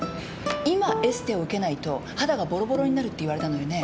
今エステを受けないと肌がボロボロになるって言われたのよね。